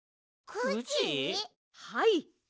はい。